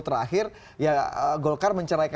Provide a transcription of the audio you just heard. terakhir ya golkar mencerai